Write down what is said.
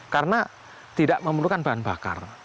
karena tidak memerlukan bahan bakar